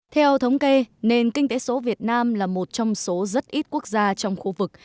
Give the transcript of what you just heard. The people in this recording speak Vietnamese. theo thống kê nền kinh tế số việt nam là một trong số rất ít quốc gia trong khu vực